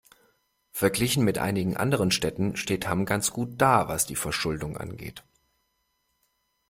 Verglichen mit einigen anderen Städten steht Hamm ganz gut da, was die Verschuldung angeht.